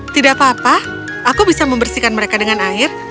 tidak apa apa aku bisa membersihkan mereka dengan air